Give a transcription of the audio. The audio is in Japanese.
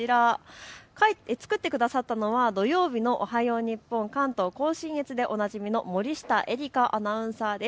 作ってくださったのは土曜日のおはよう日本、関東甲信越でもおなじみの森下絵理香アナウンサーです。